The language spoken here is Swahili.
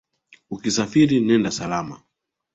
Ukisafiri, nenda salama